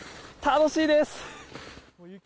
楽しいです！